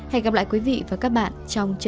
hẹn gặp lại quý vị và các bạn trong chương trình